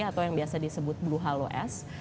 atau yang biasa disebut blue halo s